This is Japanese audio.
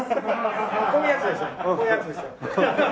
こういうやつですよね？